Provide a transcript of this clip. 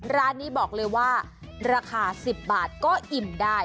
ร้านนี้บอกเลยว่าราคา๑๐บาทก็อิ่มได้